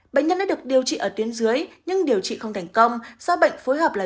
bệnh nhân đã được điều trị ở tuyến dưới nhưng điều trị không thành công do bệnh phối hợp là